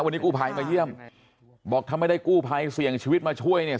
วันนี้กู้ภัยมาเยี่ยมบอกถ้าไม่ได้กู้ภัยเสี่ยงชีวิตมาช่วยเนี่ย